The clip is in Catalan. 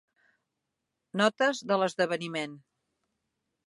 Notes de l'esdeveniment.